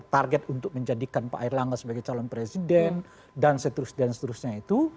target untuk menjadikan pak erlangga sebagai calon presiden dan seterusnya itu